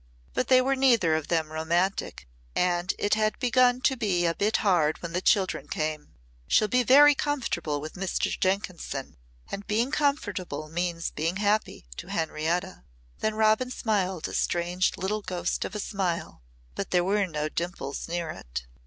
But they were neither of them romantic and it had begun to be a bit hard when the children came. She'll be very comfortable with Mr. Jenkinson and being comfortable means being happy to Henrietta." Then Robin smiled a strange little ghost of a smile but there were no dimples near it.